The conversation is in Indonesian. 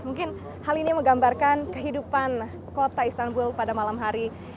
mungkin hal ini menggambarkan kehidupan kota istanbul pada malam hari